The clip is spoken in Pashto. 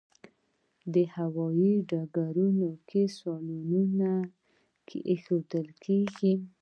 د هوايي ډګرونو صالونونو کې کښېني.